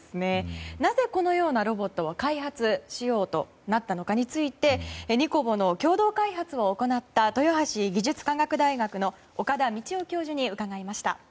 なぜこのようなロボットを開発しようとなったのかについてＮＩＣＯＢＯの共同開発を行った豊橋技術科学大学の岡田美智男教授に伺いました。